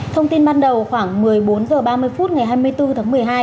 thông tin ban đầu khoảng một mươi bốn h ba mươi phút ngày hai mươi bốn tháng một mươi hai